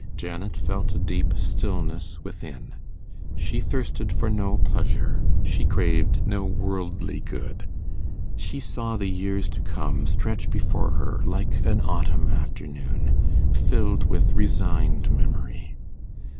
Janet felt a deep stillness within. She thirsted for no pleasure; she craved no worldly good. She saw the years to come stretch before her like an autumn afternoon, filled with resigned memory.